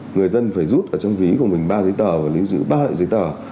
người dân phải rút ở trong ví của mình ba giấy tờ và lưu giữ ba loại giấy tờ